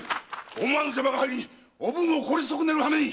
思わぬ邪魔が入りおぶんを殺し損ねる羽目に！